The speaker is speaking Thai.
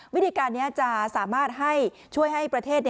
วิธีการนี้จะสามารถช่วยให้ประเทศ